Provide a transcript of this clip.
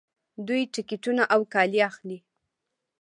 دوی ټکټونه او کالي اخلي.